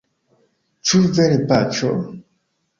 Ĉu vere, Paĉo?